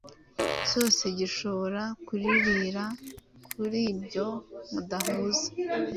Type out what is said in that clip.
cyose gishobora kuririra kuri ibyo mudahuza